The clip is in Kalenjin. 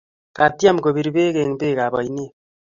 katyem kobir bek eng' bek ab ainet